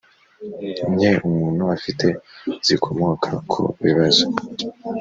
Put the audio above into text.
nke umuntu afite zikomoka ku bibazo